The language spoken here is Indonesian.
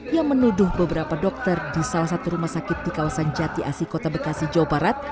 yang menuduh beberapa dokter di salah satu rumah sakit di kawasan jati asi kota bekasi jawa barat